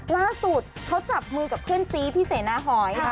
ล่าสุดเขาจับมือกับเพื่อนซีที่เศษหน้าหอย